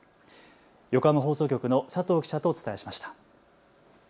横浜放送局の佐藤記者とお伝えしました。